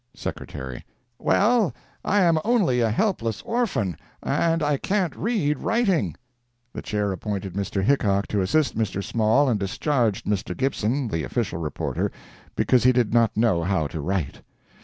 Secretary—"Well, I am only a helpless orphan, and I can't read writing." The Chair appointed Mr. Hickok to assist Mr. Small, and discharged Mr. Gibson, the official reporter, because he did not know how to write.